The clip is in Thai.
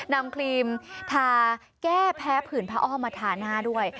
ครีมทาแก้แพ้ผื่นผ้าอ้อมมาทาหน้าด้วย